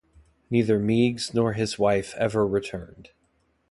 Neither Meiggs nor his wife ever returned.